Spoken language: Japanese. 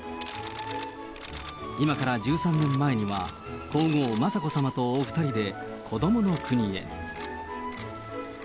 今から１３年前には、皇后雅子さまとお２人でこどもの国へ。